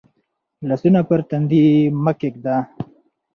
لاسونه پر تندي مه ږده.